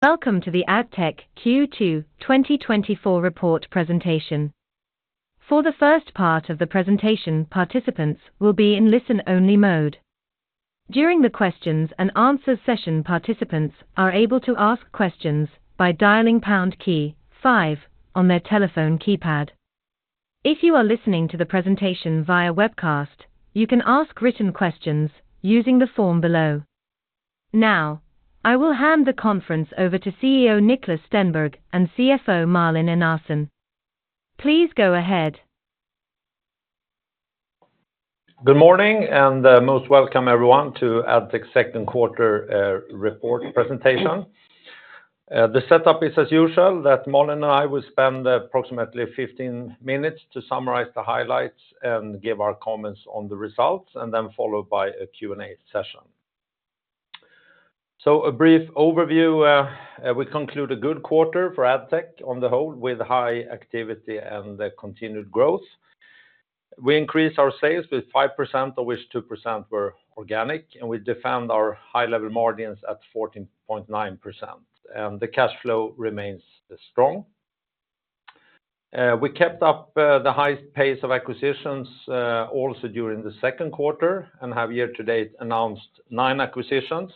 Welcome to the Addtech Q2 2024 report presentation. For the first part of the presentation, participants will be in listen-only mode. During the questions and answers session, participants are able to ask questions by dialing pound key five on their telephone keypad. If you are listening to the presentation via webcast, you can ask written questions using the form below. Now, I will hand the conference over to CEO Niklas Stenberg and CFO Malin Enarson. Please go ahead. Good morning, and, most welcome everyone to Addtech second quarter report presentation. The setup is as usual, that Malin and I will spend approximately fifteen minutes to summarize the highlights and give our comments on the results, and then followed by a Q&A session. So a brief overview, we conclude a good quarter for Addtech on the whole, with high activity and the continued growth. We increased our sales with 5%, of which 2% were organic, and we defend our high-level margins at 14.9%, and the cash flow remains strong. We kept up the highest pace of acquisitions also during the second quarter, and have year-to-date announced nine acquisitions,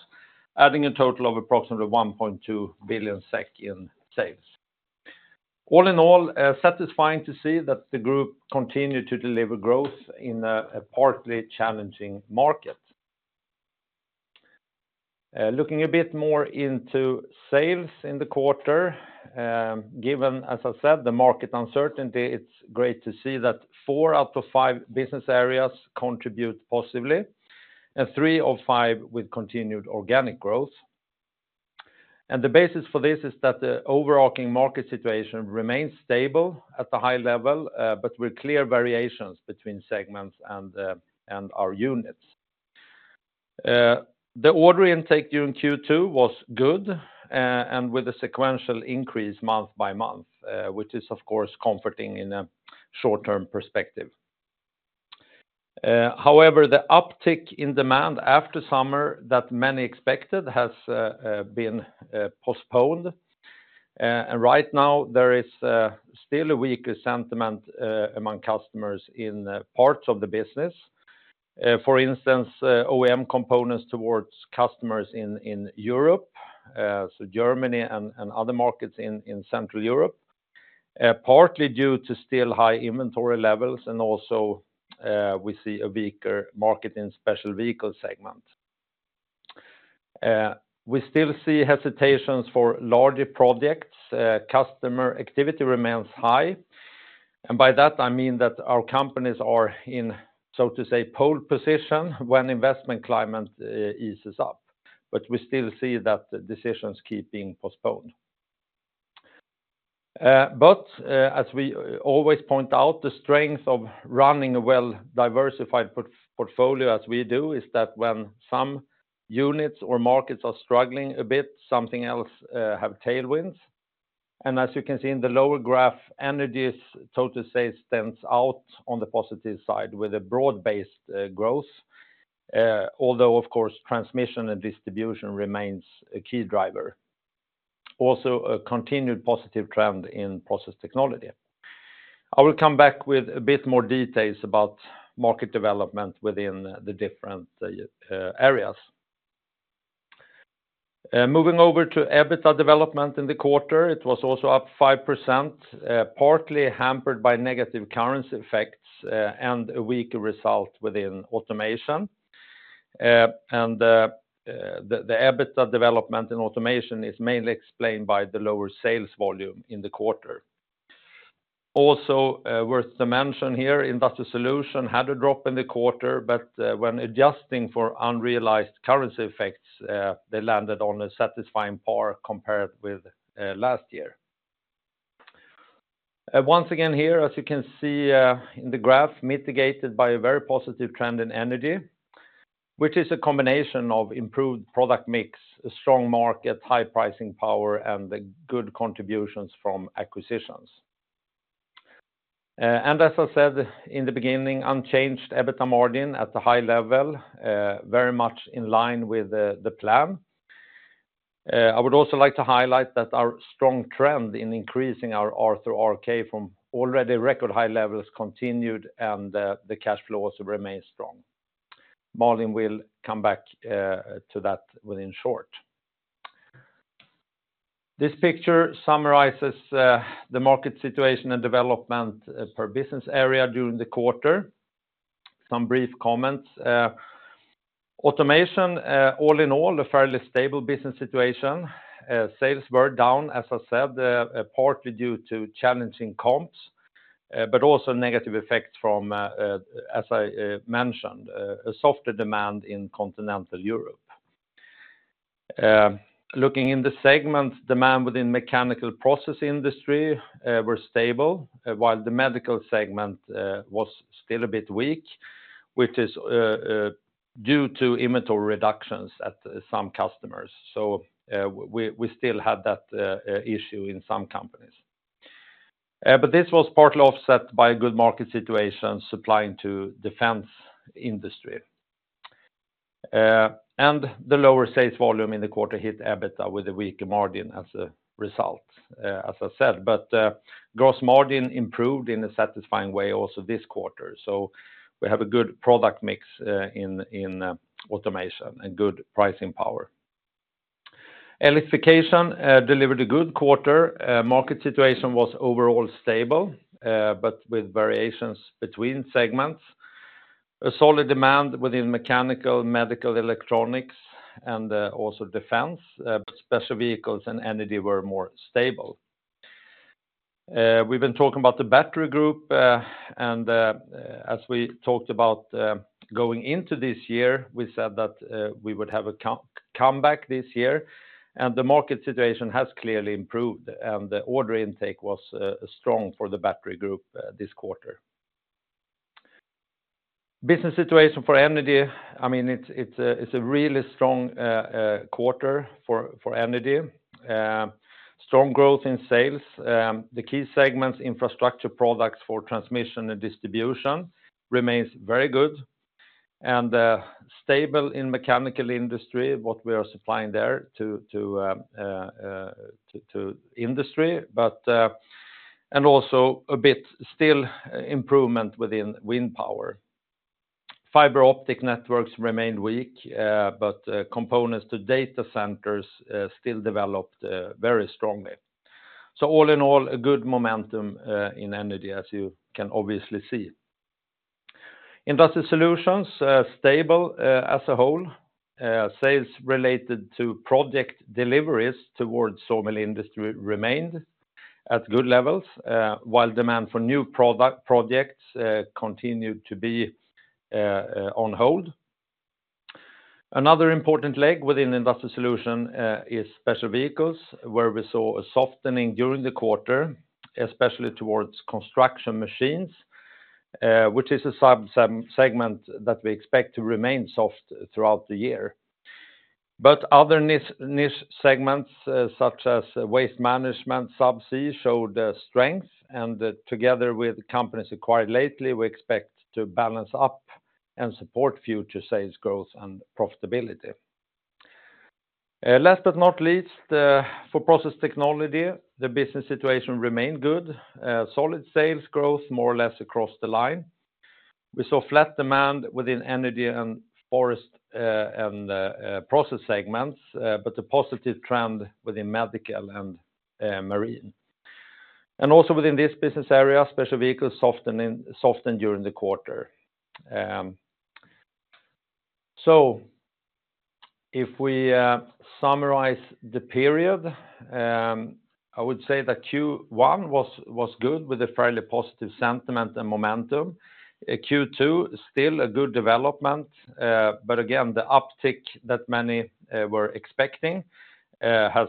adding a total of approximately 1.2 billion SEK in sales. All in all, satisfying to see that the group continued to deliver growth in a partly challenging market. Looking a bit more into sales in the quarter, given, as I said, the market uncertainty, it's great to see that four out of five business areas contribute positively, and three of five with continued organic growth, and the basis for this is that the overarching market situation remains stable at a high level, but with clear variations between segments and our units. The order intake during Q2 was good, and with a sequential increase month by month, which is, of course, comforting in a short-term perspective. However, the uptick in demand after summer that many expected has been postponed. Right now, there is still a weaker sentiment among customers in parts of the business. For instance, OEM components towards customers in Europe, so Germany and other markets in Central Europe, partly due to still high inventory levels and also we see a weaker market in special vehicle segment. We still see hesitations for larger projects. Customer activity remains high, and by that, I mean that our companies are in, so to say, pole position when investment climate eases up, but we still see that the decisions keep being postponed, but as we always point out, the strength of running a well-diversified portfolio as we do is that when some units or markets are struggling a bit, something else have tailwinds. As you can see in the lower graph, Energy's total sales stands out on the positive side with a broad-based growth. Although, of course, transmission and distribution remains a key driver. Also, a continued positive trend in Process Technology. I will come back with a bit more details about market development within the different areas. Moving over to EBITDA development in the quarter, it was also up 5%, partly hampered by negative currency effects and a weaker result within Automation. And the EBITDA development in Automation is mainly explained by the lower sales volume in the quarter. Also, worth to mention here, Industrial Solutions had a drop in the quarter, but when adjusting for unrealized currency effects, they landed on a satisfying par compared with last year. Once again here, as you can see, in the graph, mitigated by a very positive trend in Energy, which is a combination of improved product mix, a strong market, high pricing power, and the good contributions from acquisitions, and as I said in the beginning, unchanged EBITDA margin at a high level, very much in line with the plan. I would also like to highlight that our strong trend in increasing our R/RK from already record high levels continued, and the cash flow also remains strong. Malin will come back to that in short. This picture summarizes the market situation and development per business area during the quarter. Some brief comments. Automation, all in all, a fairly stable business situation. Sales were down, as I said, partly due to challenging comps, but also negative effects from, as I mentioned, a softer demand in continental Europe. Looking in the segment, demand within mechanical process industry were stable, while the medical segment was still a bit weak, which is due to inventory reductions at some customers. So, we still have that issue in some companies. But this was partly offset by a good market situation supplying to defense industry. And the lower sales volume in the quarter hit EBITDA with a weaker margin as a result, as I said, but gross margin improved in a satisfying way also this quarter. So we have a good product mix in automation and good pricing power. Electrification delivered a good quarter. Market situation was overall stable, but with variations between segments. A solid demand within mechanical, medical, electronics, and also defense, special vehicles and energy were more stable. We've been talking about the battery group, and as we talked about, going into this year, we said that we would have a comeback this year, and the market situation has clearly improved, and the order intake was strong for the battery group this quarter. Business situation for energy, I mean, it's a really strong quarter for energy. Strong growth in sales. The key segments, infrastructure products for transmission and distribution, remains very good, and stable in mechanical industry, what we are supplying there to industry, but... And also a bit still improvement within wind power. Fiber optic networks remained weak, but components to data centers still developed very strongly. So all in all, a good momentum in energy, as you can obviously see. Industrial solutions stable as a whole. Sales related to project deliveries towards sawmill industry remained at good levels, while demand for new product projects continued to be on hold. Another important leg within Industrial Solution is special vehicles, where we saw a softening during the quarter, especially towards construction machines, which is a sub-segment that we expect to remain soft throughout the year. But other niche segments, such as waste management, subsea, showed strength, and together with companies acquired lately, we expect to balance up and support future sales growth and profitability. Last but not least, for Process Technology, the business situation remained good. Solid sales growth, more or less across the line. We saw flat demand within Energy and forest and process segments, but a positive trend within medical and marine. Also within this business area, special vehicles softened during the quarter. So if we summarize the period, I would say that Q1 was good, with a fairly positive sentiment and momentum. Q2 still a good development, but again, the uptick that many were expecting has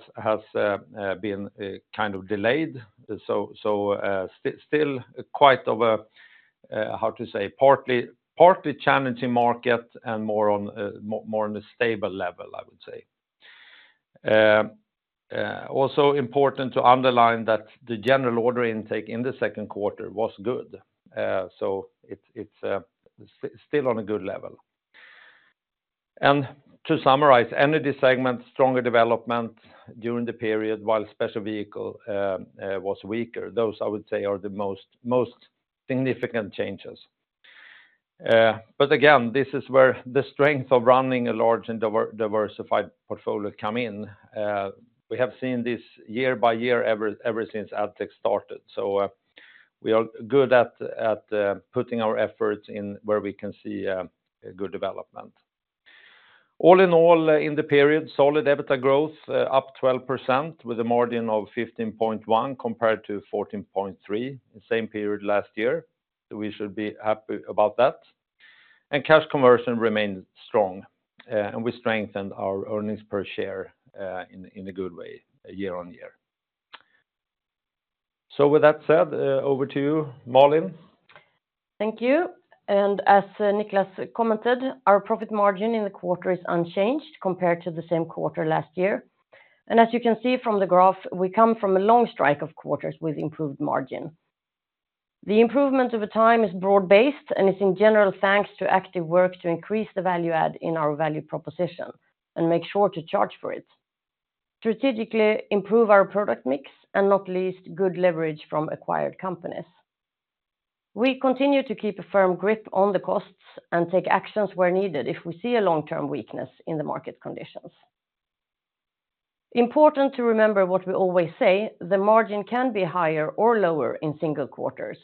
been kind of delayed. So still quite a, how to say, partly challenging market and more on a stable level, I would say. Also important to underline that the general order intake in the second quarter was good, so it's still on a good level. And to summarize, energy segment, stronger development during the period, while special vehicle was weaker. Those, I would say, are the most significant changes. But again, this is where the strength of running a large and diversified portfolio come in. We have seen this year by year ever since Addtech started, so we are good at putting our efforts in where we can see a good development. All in all, in the period, solid EBITDA growth up 12%, with a margin of 15.1%, compared to 14.3%, the same period last year, so we should be happy about that. Cash conversion remained strong, and we strengthened our earnings per share, in a good way, year on year. With that said, over to you, Malin. Thank you. And as Niklas commented, our profit margin in the quarter is unchanged compared to the same quarter last year. And as you can see from the graph, we come from a long streak of quarters with improved margin. The improvement over time is broad-based and is in general, thanks to active work to increase the value add in our value proposition, and make sure to charge for it. Strategically, improve our product mix, and not least, good leverage from acquired companies. We continue to keep a firm grip on the costs and take actions where needed if we see a long-term weakness in the market conditions. Important to remember what we always say, the margin can be higher or lower in single quarters.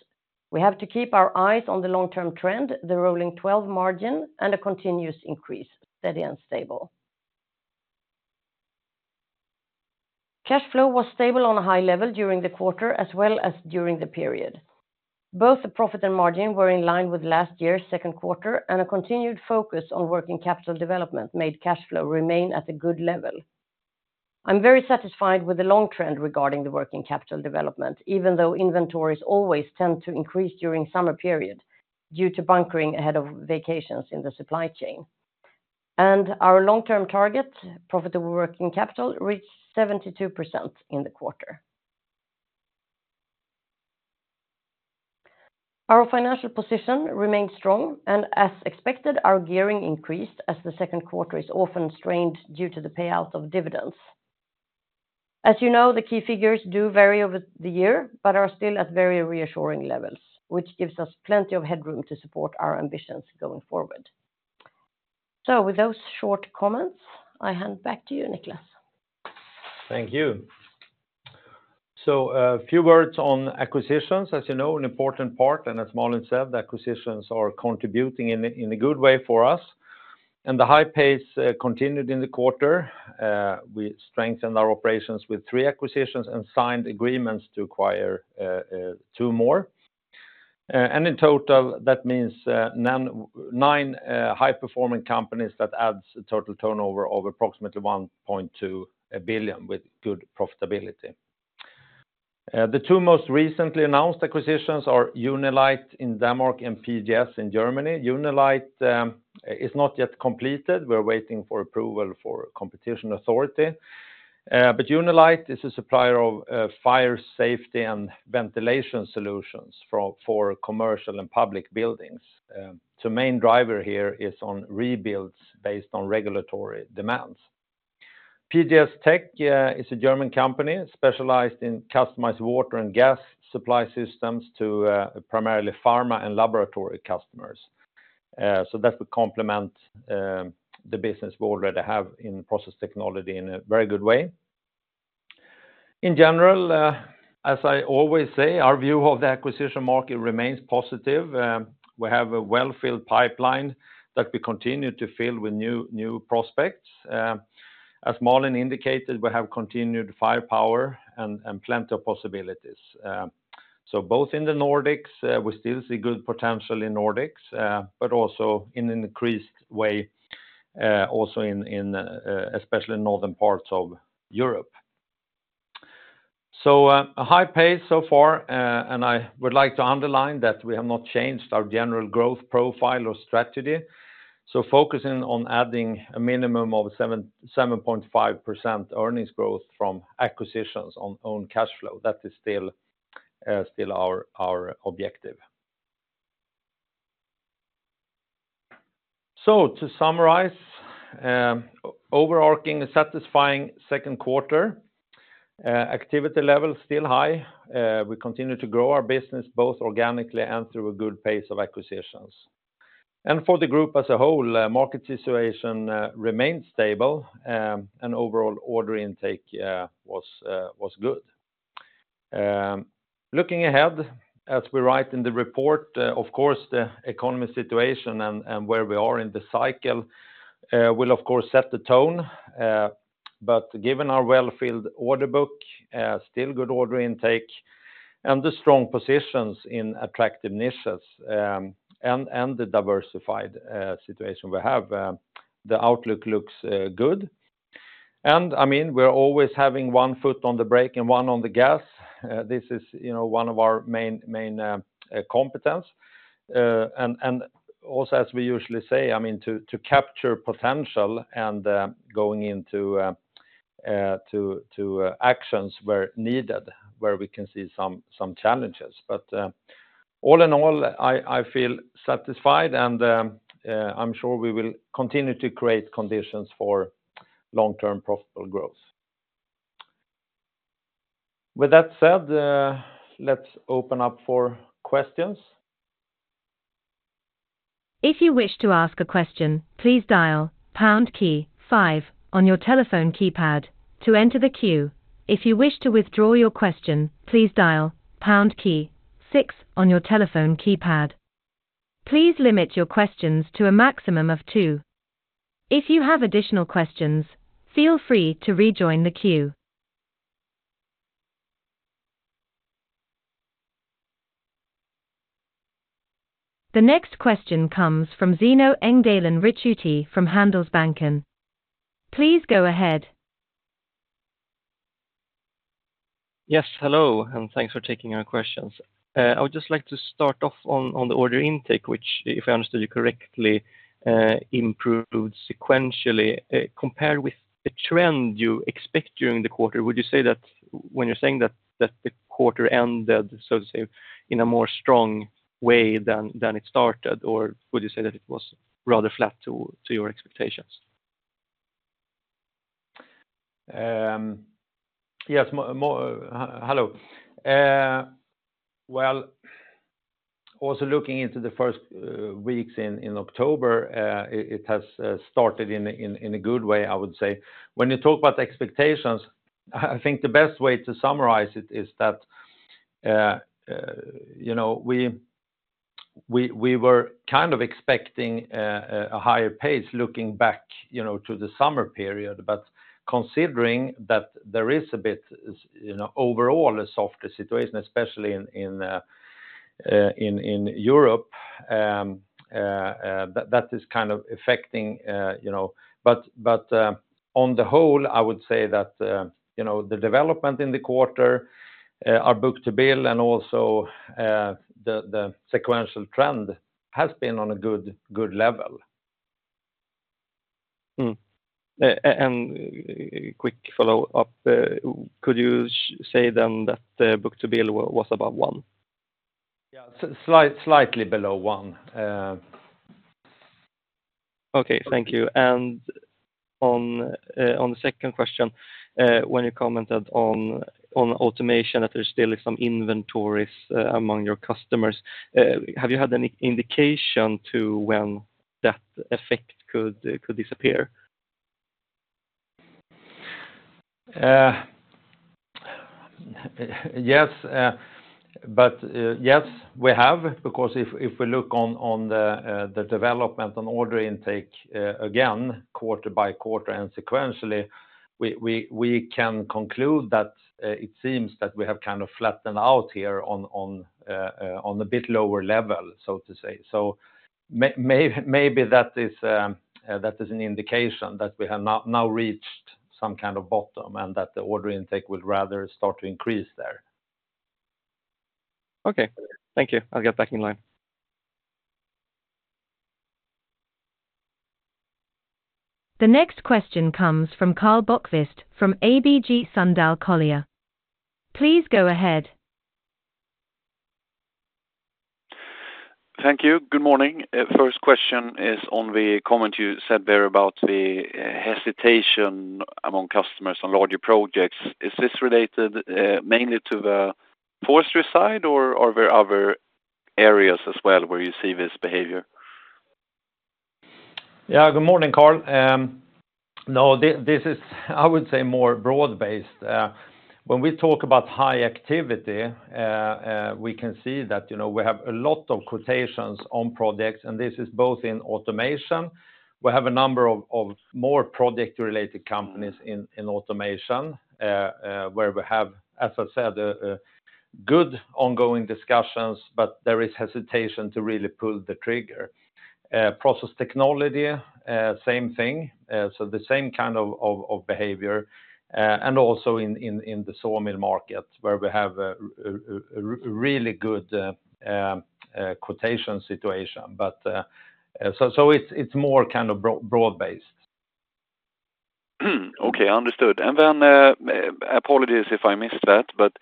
We have to keep our eyes on the long-term trend, the rolling twelve margin, and a continuous increase, steady and stable. Cash flow was stable on a high level during the quarter, as well as during the period. Both the profit and margin were in line with last year's second quarter, and a continued focus on working capital development made cash flow remain at a good level. I'm very satisfied with the long trend regarding the working capital development, even though inventories always tend to increase during summer period, due to bunkering ahead of vacations in the supply chain... and our long-term target, profitable working capital, reached 72% in the quarter. Our financial position remained strong, and as expected, our gearing increased as the second quarter is often strained due to the payout of dividends. As you know, the key figures do vary over the year, but are still at very reassuring levels, which gives us plenty of headroom to support our ambitions going forward. So with those short comments, I hand back to you, Niklas. Thank you. So, a few words on acquisitions. As you know, an important part, and as Malin said, the acquisitions are contributing in a good way for us, and the high pace continued in the quarter. We strengthened our operations with three acquisitions and signed agreements to acquire two more. And in total, that means nine high-performing companies that adds a total turnover of approximately 1.2 billion with good profitability. The two most recently announced acquisitions are Unilite in Denmark and PGS in Germany. Unilite is not yet completed. We're waiting for approval for competition authority. But Unilite is a supplier of fire safety and ventilation solutions for commercial and public buildings. So main driver here is on rebuilds based on regulatory demands. PGS Tech is a German company specialized in customized water and gas supply systems to primarily pharma and laboratory customers. That would complement the business we already have in process technology in a very good way. In general, as I always say, our view of the acquisition market remains positive. We have a well-filled pipeline that we continue to fill with new prospects. As Malin indicated, we have continued firepower and plenty of possibilities. Both in the Nordics we still see good potential in Nordics but also in an increased way also in especially northern parts of Europe. A high pace so far and I would like to underline that we have not changed our general growth profile or strategy. Focusing on adding a minimum of 7-7.5% earnings growth from acquisitions on own cash flow, that is still our objective. To summarize, overarching a satisfying second quarter, activity level still high. We continue to grow our business, both organically and through a good pace of acquisitions. For the group as a whole, market situation remains stable, and overall order intake was good. Looking ahead, as we write in the report, of course, the economy situation and where we are in the cycle will of course set the tone, but given our well-filled order book, still good order intake, and the strong positions in attractive niches, and the diversified situation we have, the outlook looks good. And, I mean, we're always having one foot on the brake and one on the gas. This is, you know, one of our main competence. And also, as we usually say, I mean, to capture potential and going into actions where needed, where we can see some challenges. But all in all, I feel satisfied, and I'm sure we will continue to create conditions for long-term profitable growth. With that said, let's open up for questions. If you wish to ask a question, please dial pound key five on your telephone keypad to enter the queue. If you wish to withdraw your question, please dial pound key six on your telephone keypad. Please limit your questions to a maximum of two. If you have additional questions, feel free to rejoin the queue. The next question comes from Zeno Engelen Ricciuti from Handelsbanken. Please go ahead. Yes, hello, and thanks for taking our questions. I would just like to start off on the order intake, which, if I understood you correctly, improved sequentially compared with the trend you expect during the quarter. Would you say that when you're saying that, that the quarter ended, so to say, in a more strong way than it started, or would you say that it was rather flat to your expectations? Hello. Well, also looking into the first weeks in October, it has started in a good way, I would say. When you talk about the expectations, I think the best way to summarize it is that you know, we were kind of expecting a higher pace looking back, you know, to the summer period, but considering that there is a bit you know, overall a softer situation, especially in Europe, that is kind of affecting you know. But on the whole, I would say that you know, the development in the quarter, our book to bill, and also the sequential trend has been on a good level. And quick follow-up, could you say then that the book to bill was above one? Yeah, slight, slightly below one. Okay, thank you. And on the second question, when you commented on Automation, that there's still some inventories among your customers, have you had any indication to when that effect could disappear? Yes, but yes, we have, because if we look on the development on order intake, again, quarter by quarter and sequentially, we can conclude that it seems that we have kind of flattened out here on a bit lower level, so to say. So maybe that is an indication that we have now reached some kind of bottom, and that the order intake would rather start to increase there. Okay, thank you. I'll get back in line. The next question comes from Karl Bokvist from ABG Sundal Collier. Please go ahead. Thank you. Good morning. First question is on the comment you said there about the hesitation among customers on larger projects. Is this related mainly to the forestry side, or were other areas as well, where you see this behavior? Yeah, good morning, Carl. No, this is, I would say, more broad-based. When we talk about high activity, we can see that, you know, we have a lot of quotations on products, and this is both in automation. We have a number of more product-related companies in automation, where we have, as I said, a good ongoing discussions, but there is hesitation to really pull the trigger. Process technology, same thing, so the same kind of behavior, and also in the Sawmill Market, where we have a really good quotation situation. But, so it's more kind of broad-based. Hmm, okay, understood. And then, apologies if I missed that, but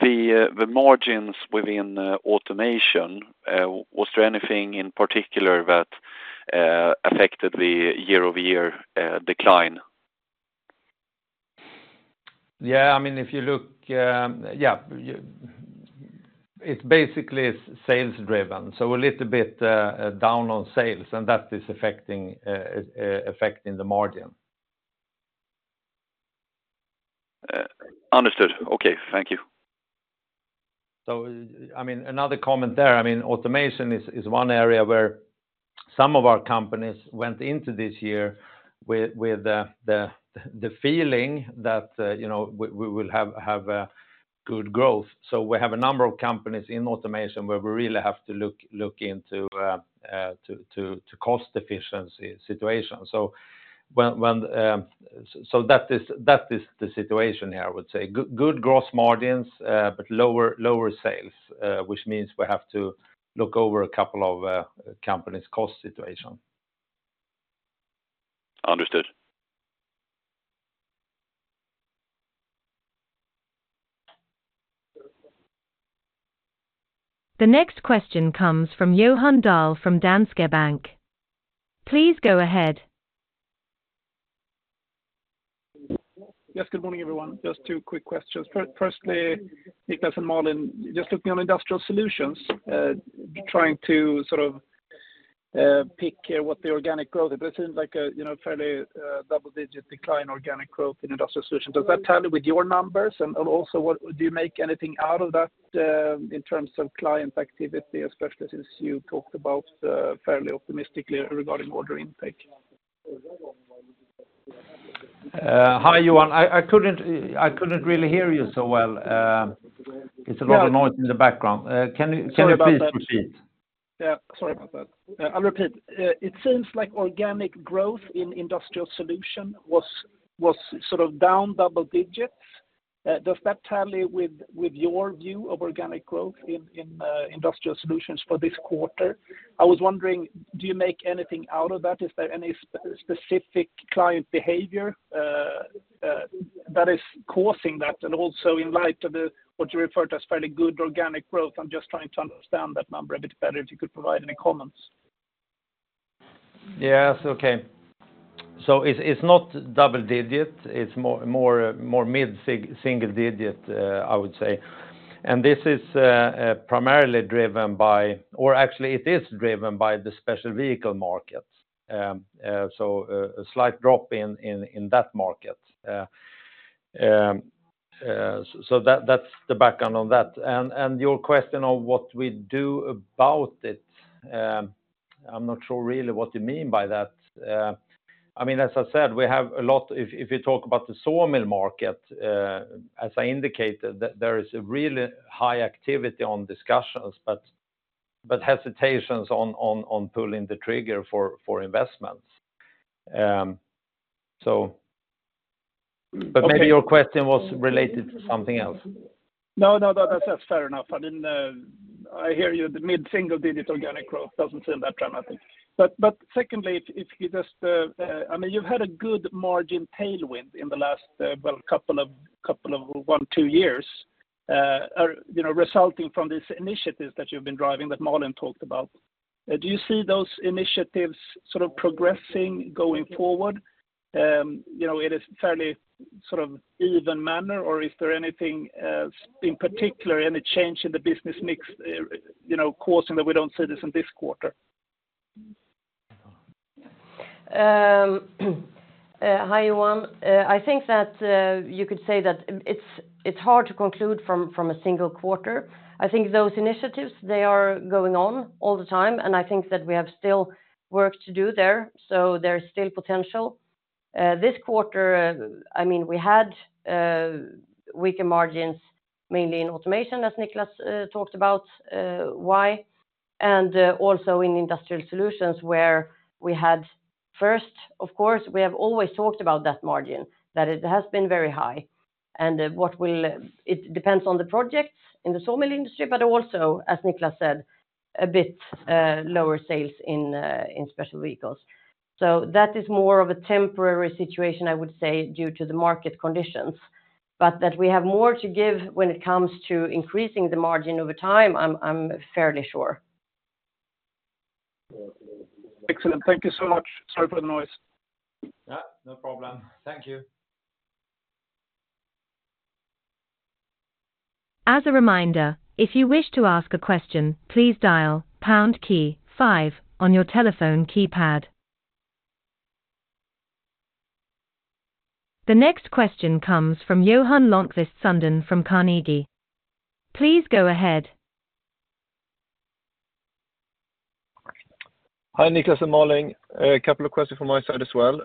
the margins within Automation, was there anything in particular that affected the year-over-year decline? Yeah, I mean, if you look, yeah, it's basically sales driven, so a little bit down on sales, and that is affecting the margin. Understood. Okay, thank you. So, I mean, another comment there. I mean, automation is one area where some of our companies went into this year with the feeling that, you know, we will have a good growth. So we have a number of companies in automation, where we really have to look into the cost efficiency situation. So that is the situation here, I would say. Good gross margins, but lower sales, which means we have to look over a couple of companies' cost situation. Understood. The next question comes from Johan Dahl from Danske Bank. Please go ahead. Yes, good morning, everyone. Just two quick questions. Firstly, Niklas and Malin, just looking on Industrial Solutions, trying to sort of pick here what the organic growth is. This seems like a, you know, fairly double-digit decline organic growth in Industrial Solutions. Does that tally with your numbers? And also what do you make anything out of that in terms of client activity, especially since you talked about fairly optimistically regarding order intake? Hi, Johan. I couldn't really hear you so well. It's a lot of noise in the background. Can you- Sorry about that. Can you please repeat? Yeah, sorry about that. I'll repeat. It seems like organic growth in industrial solution was sort of down double digits. Does that tally with your view of organic growth in industrial solutions for this quarter? I was wondering, do you make anything out of that? Is there any specific client behavior that is causing that? And also, in light of the, what you refer to as fairly good organic growth, I'm just trying to understand that number a bit better, if you could provide any comments. Yes, okay. So it's not double digit. It's more mid single digit, I would say. And this is primarily driven by, or actually it is driven by the special vehicle markets. So a slight drop in that market. So that's the background on that. And your question on what we do about it, I'm not sure really what you mean by that. I mean, as I said, we have a lot... If you talk about the saw mill market, as I indicated, there is a really high activity on discussions, but hesitations on pulling the trigger for investments. So but maybe your question was related to something else? No, no, that's fair enough. I didn't, I hear you, the mid-single digit organic growth doesn't seem that dramatic. But secondly, if you just, I mean, you've had a good margin tailwind in the last, well, couple of one, two years. You know, resulting from these initiatives that you've been driving, that Malin talked about. Do you see those initiatives sort of progressing going forward? You know, it is fairly sort of even manner, or is there anything in particular, any change in the business mix, you know, causing that we don't see this in this quarter? Hi, Johan. I think that you could say that it is hard to conclude from a single quarter. I think those initiatives, they are going on all the time, and I think that we have still work to do there, so there's still potential. This quarter, I mean, we had weaker margins, mainly in automation, as Niklas talked about why, and also in industrial solutions where we had first, of course, we have always talked about that margin, that it has been very high. What will. It depends on the projects in the sawmill industry, but also, as Niklas said, a bit lower sales in special vehicles. So that is more of a temporary situation I would say, due to the market conditions, but that we have more to give when it comes to increasing the margin over time. I'm fairly sure. Excellent. Thank you so much. Sorry for the noise. Yeah, no problem. Thank you. As a reminder, if you wish to ask a question, please dial pound key five on your telephone keypad. The next question comes from Johan Lönnqvist Sundén from Carnegie. Please go ahead. Hi, Niklas and Malin. A couple of questions from my side as well.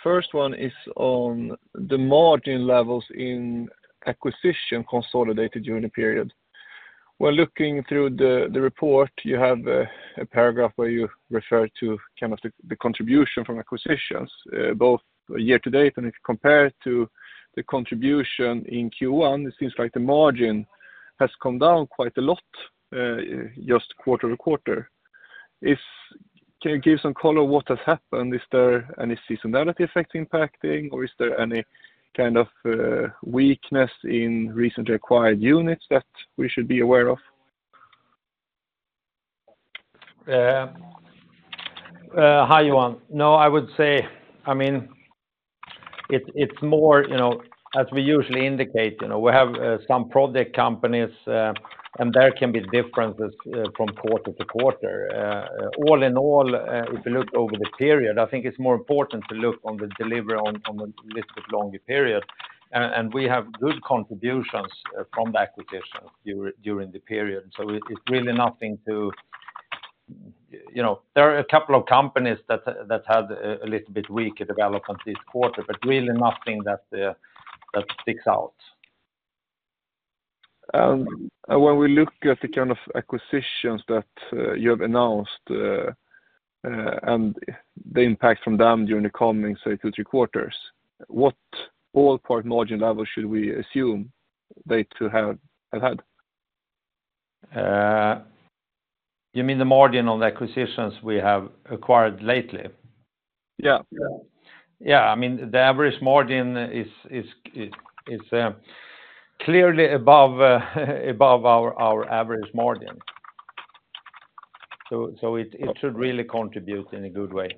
First one is on the margin levels in acquisitions consolidated during the period. While looking through the report, you have a paragraph where you refer to kind of the contribution from acquisitions, both year to date, and if you compare it to the contribution in Q1, it seems like the margin has come down quite a lot, just quarter to quarter. Can you give some color what has happened? Is there any seasonality effect impacting, or is there any kind of weakness in recently acquired units that we should be aware of? Hi, Johan. No, I would say, I mean, it's more, you know, as we usually indicate, you know, we have some project companies, and there can be differences from quarter to quarter. All in all, if you look over the period, I think it's more important to look on the delivery on the little bit longer period, and we have good contributions from the acquisition during the period. So it's really nothing to... You know, there are a couple of companies that had a little bit weaker development this quarter, but really nothing that sticks out. When we look at the kind of acquisitions that you have announced, and the impact from them during the coming, say, two, three quarters, what all part margin levels should we assume they to have had? You mean the margin on the acquisitions we have acquired lately? Yeah. Yeah. I mean, the average margin is clearly above our average margin. So it should really contribute in a good way.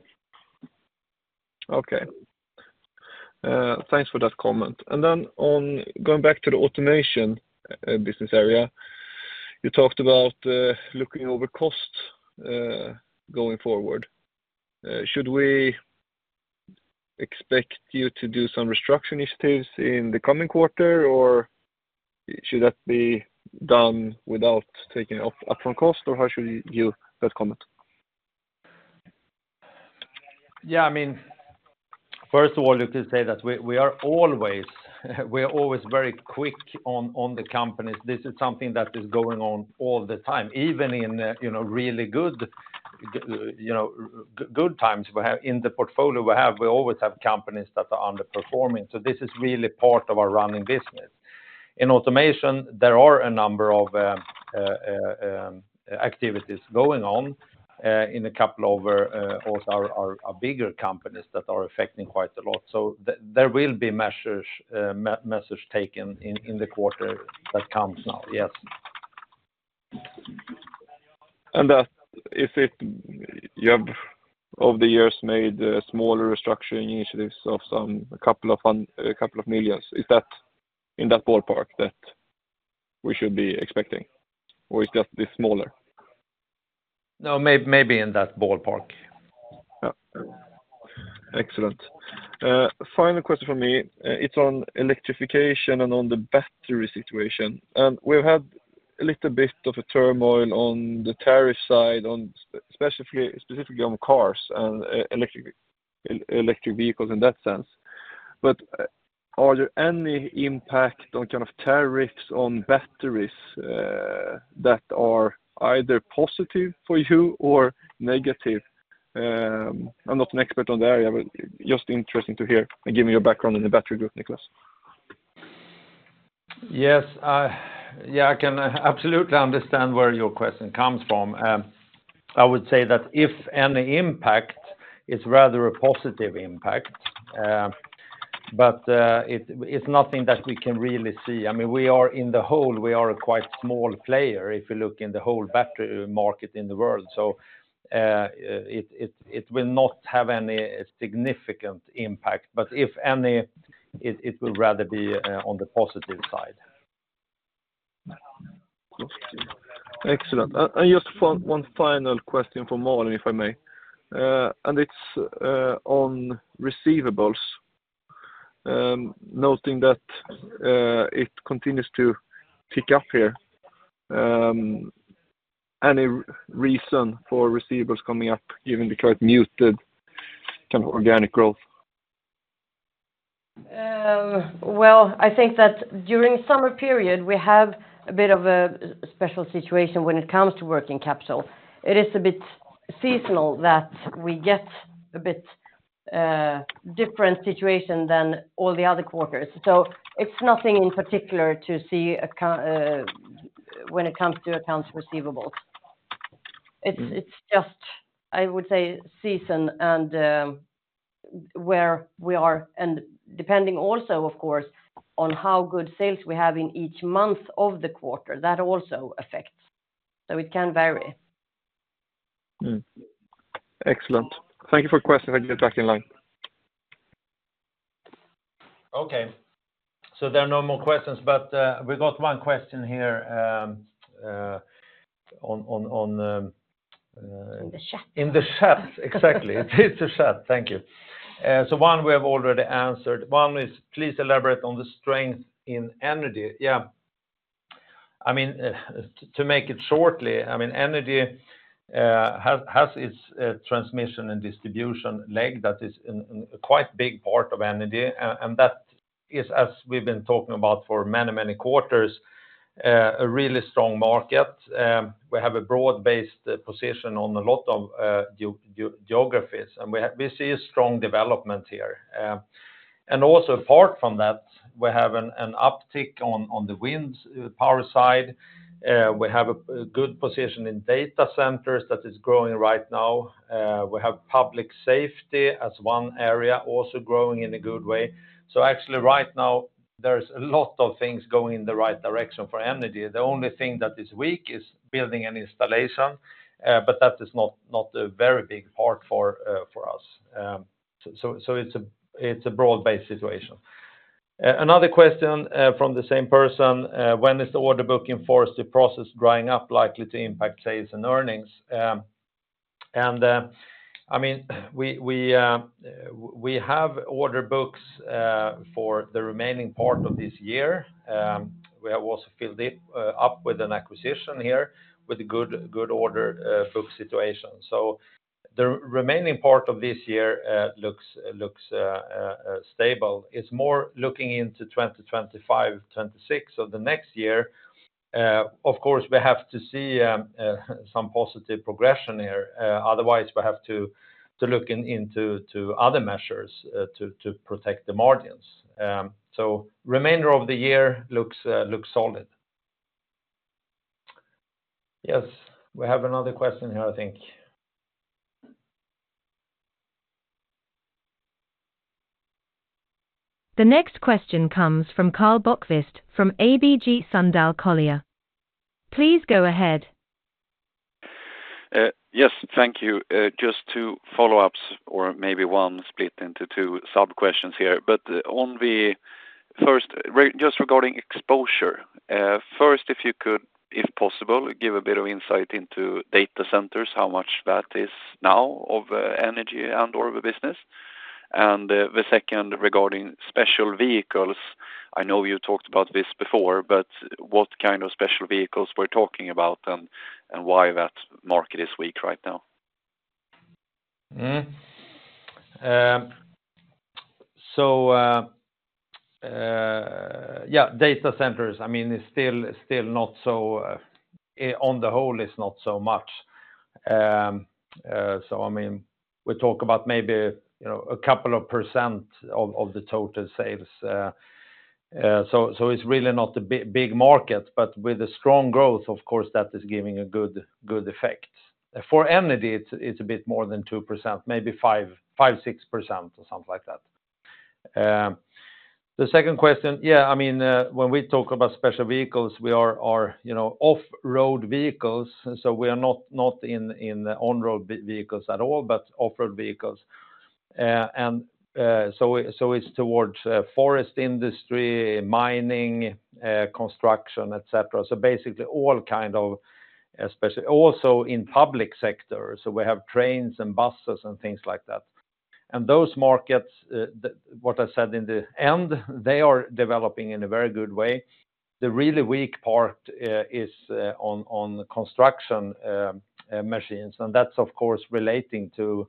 Okay. Thanks for that comment. And then on going back to the automation business area, you talked about looking over costs going forward. Should we expect you to do some restructure initiatives in the coming quarter, or should that be done without taking up upfront cost, or how should we view that comment? Yeah, I mean, first of all, you could say that we are always very quick on the companies. This is something that is going on all the time, even in a, you know, really good, you know, good times. We have, in the portfolio, we always have companies that are underperforming, so this is really part of our running business. In automation, there are a number of activities going on, in a couple of our bigger companies that are affecting quite a lot. So there will be measures taken in the quarter that comes now, yes. If you have, over the years, made smaller restructuring initiatives of some, a couple of millions, is that in that ballpark that we should be expecting, or it's just be smaller? No, maybe in that ballpark. Yeah. Excellent. Final question from me, it's on electrification and on the battery situation. And we've had a little bit of a turmoil on the tariff side, specifically on cars and electric vehicles in that sense. But, are there any impact on kind of tariffs on batteries that are either positive for you or negative? I'm not an expert on the area, but just interesting to hear, and given your background in the battery group, Niklas. Yes, yeah, I can absolutely understand where your question comes from. I would say that if any impact, it's rather a positive impact. But it's nothing that we can really see. I mean, we are on the whole a quite small player, if you look at the whole battery market in the world. So, it will not have any significant impact, but if any, it will rather be on the positive side. Excellent. Just one final question for Malin, if I may. It's on receivables. Noting that it continues to tick up here, any reason for receivables coming up, given the quite muted kind of organic growth? I think that during summer period, we have a bit of a special situation when it comes to working capital. It is a bit seasonal that we get a bit different situation than all the other quarters. So it's nothing in particular to see when it comes to accounts receivable. It's just, I would say, season and where we are, and depending also, of course, on how good sales we have in each month of the quarter, that also affects, so it can vary. Excellent. Thank you for question. I get back in line. Okay, so there are no more questions, but we got one question here, on In the chat. In the chat, exactly. It's the chat. Thank you. So one we have already answered. One is, please elaborate on the strength in energy. Yeah. I mean, to make it shortly, I mean, energy has its transmission and distribution leg that is in a quite big part of energy, and that is, as we've been talking about for many, many quarters, a really strong market. We have a broad-based position on a lot of geographies, and we see a strong development here. And also apart from that, we have an uptick on the wind power side. We have a good position in data centers that is growing right now. We have public safety as one area, also growing in a good way. Actually right now, there's a lot of things going in the right direction for energy. The only thing that is weak is building an installation, but that is not a very big part for us. It's a broad-based situation. Another question from the same person: "When is the order book in forest, the process drying up, likely to impact sales and earnings?" I mean, we have order books for the remaining part of this year. We have also filled it up with an acquisition here, with a good order book situation. The remaining part of this year looks stable. It's more looking into 2025, 2026, so the next year. Of course, we have to see some positive progression here. Otherwise, we have to look into other measures to protect the margins. So remainder of the year looks solid. Yes, we have another question here, I think. The next question comes from Karl Bokvist from ABG Sundal Collier. Please go ahead. Yes, thank you. Just two follow-ups, or maybe one split into two sub-questions here. But on the first, just regarding exposure, first, if you could, if possible, give a bit of insight into data centers, how much that is now of energy and or the business? And, the second, regarding special vehicles, I know you talked about this before, but what kind of special vehicles we're talking about, and why that market is weak right now? Yeah, data centers, I mean, it's still not so, on the whole, it's not so much. So, I mean, we talk about maybe, you know, a couple of % of the total sales. So it's really not a big market, but with a strong growth, of course, that is giving a good effect. For energy, it's a bit more than 2%, maybe 5-6% or something like that. The second question, yeah, I mean, when we talk about special vehicles, we are, you know, off-road vehicles, so we are not in on-road vehicles at all, but off-road vehicles. And so it's towards forest industry, mining, construction, et cetera. So basically all kind of, especially also in public sector. We have trains and buses and things like that. Those markets, what I said in the end, they are developing in a very good way. The really weak part is on construction machines, and that's of course relating to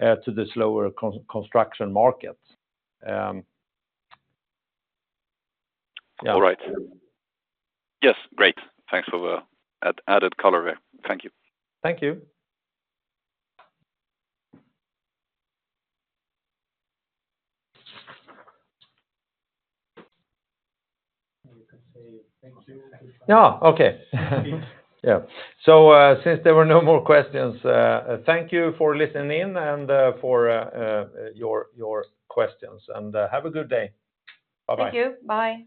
the slower construction market. Yeah. All right. Yes, great. Thanks for the added color there. Thank you. Thank you. You can say thank you. Ah! Okay. Yeah. So, since there were no more questions, thank you for listening in and for your questions, and have a good day. Bye-bye. Thank you. Bye.